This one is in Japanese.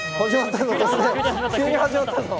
急に始まったぞ！